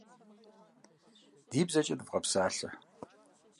Ди бзэкӏэ дывгъэпсалъэ!